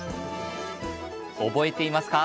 覚えていますか？